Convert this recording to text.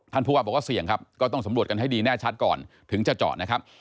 ผู้ว่าบอกว่าเสี่ยงครับก็ต้องสำรวจกันให้ดีแน่ชัดก่อนถึงจะเจาะนะครับ